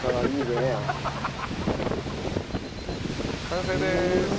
完成でーす。